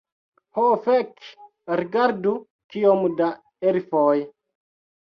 Ho, fek' rigardu kiom da elfoj